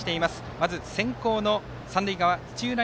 まず、先攻の三塁側土浦